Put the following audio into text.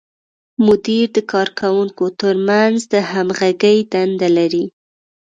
مدیر د کارکوونکو تر منځ د همغږۍ دنده لري.